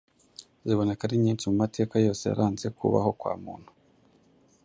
Ziboneka ari nyinshi mu mateka yose yaranze kubaho kwa muntu.